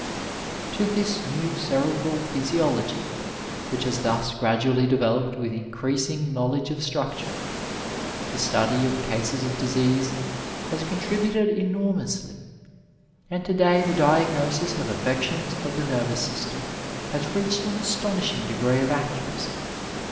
To this new cerebral physiology, which has thus grad ually developed with increasing knowledge of structure, the study of cases of disease has contributed enormously, and to day the diagnosis of affections of the nervous system has reached an astonishing degree of accuracy.